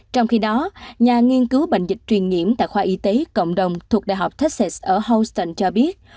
trong khi đó nhà nghiên cứu bệnh dịch truyền nhiễm tại khoa y tế cộng đồng thuộc đại học techs ở houston cho biết